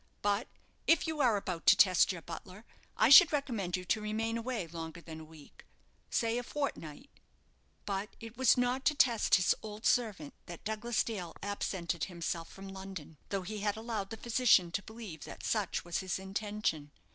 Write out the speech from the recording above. But if you are about to test your butler, I should recommend you to remain away longer than a week say a fortnight." But it was not to test his old servant that Douglas Dale absented himself from London, though he had allowed the physician to believe that such was his intention.